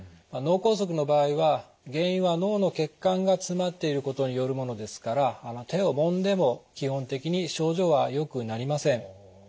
脳梗塞の場合は原因は脳の血管が詰まっていることによるものですから手をもんでも基本的に症状はよくなりません。